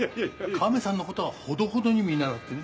カメさんの事はほどほどに見習ってね。